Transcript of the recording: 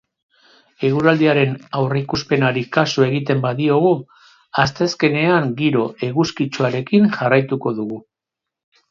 Eguraldiaren aurreikuspenari kasu egiten badiogu, asteazkenean giro eguzkitsuarekin jarraituko dugu.